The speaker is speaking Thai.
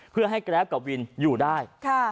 เพื่อให้แกรฟกับวินอยู่ได้